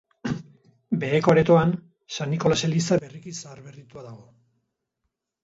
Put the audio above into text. Beheko aretoan, San Nikolas eliza berriki zaharberritua dago.